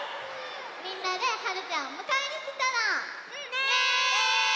みんなではるちゃんをむかえにいってたの！ね！